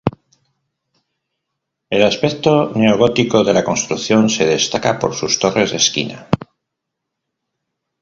El aspecto neogótico de la construcción se destaca por sus torres de esquina.